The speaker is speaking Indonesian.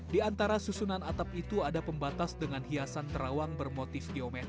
di antara susunan atap itu ada pembatas dengan hiasan terawang bermotif